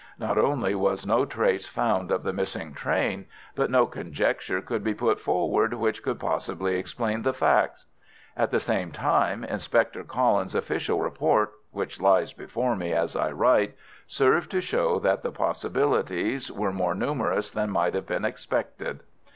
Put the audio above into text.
Not only was no trace found of the missing train, but no conjecture could be put forward which could possibly explain the facts. At the same time, Inspector Collins's official report (which lies before me as I write) served to show that the possibilities were more numerous than might have been expected.